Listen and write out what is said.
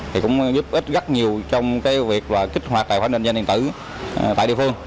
thì cũng giúp ích rất nhiều trong cái việc kích hoạt tài khoản định danh điện tử tại địa phương